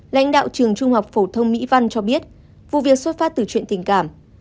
lãnh đạo trường trung học phổ thông mỹ văn cho biết vụ việc xuất phát từ chuyện tình cảm